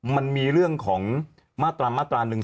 มันมีเรื่องของมาตราหนึ่ง